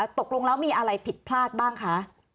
ตกลงแล้วมีอะไรผิดพลาดบ้างคะ